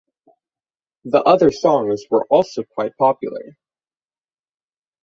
The other songs were also quite popular.